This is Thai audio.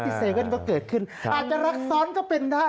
เซเว่นก็เกิดขึ้นอาจจะรักซ้อนก็เป็นได้